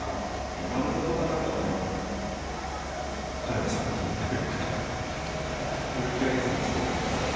丸ごとが何かもう彼の作品というかそういう気はいつもしてるんですけど。